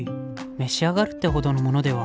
召し上がるってほどのものでは。